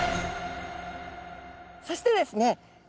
そしてですね